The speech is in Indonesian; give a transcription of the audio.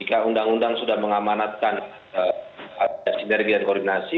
ketika undang undang sudah mengamanatkan sinergi dan koordinasi